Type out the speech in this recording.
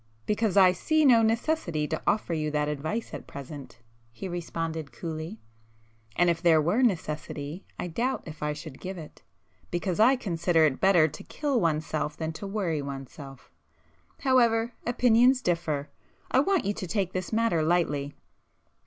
"Because I see no necessity to offer you that advice at present—" he responded coolly—"and if there were necessity, I doubt if I should give it,—because I consider it better to kill one's self than worry one's self. However opinions differ. I want you to take this matter lightly."